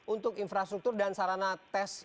untuk infrastruktur dan sarana tes